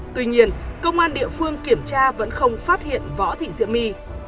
tuy nhiên công an địa phương kiểm tra vẫn không phát hiện võ thị diễm my